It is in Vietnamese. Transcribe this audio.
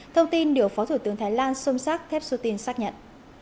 thông tin điều phó thủ tướng thái lan somsak thepsutin xác nhận